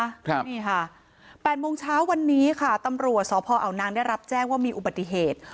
ครับนี่ค่ะแปดโมงเช้าวันนี้ค่ะตำรวจสพอาวนางได้รับแจ้งว่ามีอุบัติเหตุ